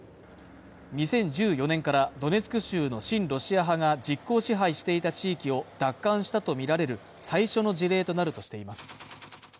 ２０１４年からドネツク州の親ロシア派が実効支配していた地域を奪還したとみられる最初の事例となるとしています。